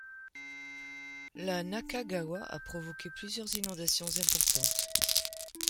La Naka-gawa a provoqué plusieurs inondations importantes.